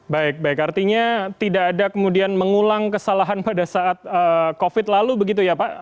baik baik artinya tidak ada kemudian mengulang kesalahan pada saat covid lalu begitu ya pak